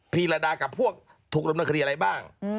ภิรดากับพวกถูกรำดับคดีอะไรบ้าง